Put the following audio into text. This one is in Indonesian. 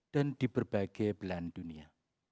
dan di berbagai belahan dunia